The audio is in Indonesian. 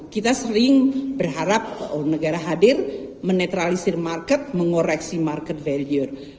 kita sering berharap negara hadir menetralisir market mengoreksi market value